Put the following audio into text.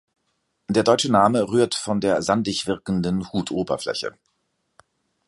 Der deutsche Name rührt von der sandig wirkenden Hutoberfläche.